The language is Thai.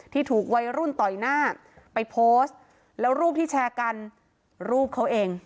ถูกวัยรุ่นต่อยหน้าไปโพสต์แล้วรูปที่แชร์กันรูปเขาเอง